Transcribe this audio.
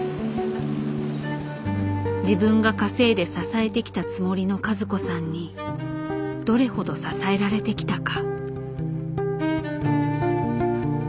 自分が稼いで支えてきたつもりの和子さんにどれほど支えられてきたか。